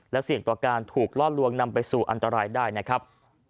และเสี่ยงต่อการถูกล่อลวงนำไปสู่อันตรายได้นะครับ